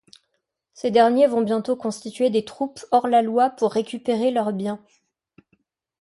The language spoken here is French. Ces derniers vont bientôt constituer des troupes hors-la-loi pour récupérer leurs biens.